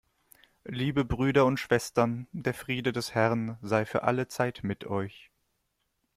Liebe Brüder und Schwestern, der Friede des Herrn sei für alle Zeit mit euch.